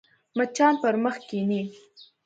مچان پر مخ کښېني